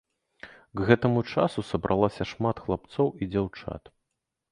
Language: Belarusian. К гэтаму часу сабралася шмат хлапцоў і дзяўчат.